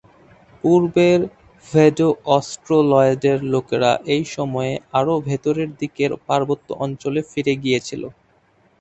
পূর্বের ভেডো-অস্ট্রোলয়েডের লোকেরা এই সময়ে আরও ভেতরের দিকের পার্বত্য অঞ্চলে ফিরে গিয়েছিল।